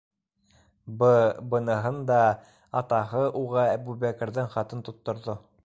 Бы-быныһын да, - атаһы уға Әбүбәкерҙең хатын тотторҙо.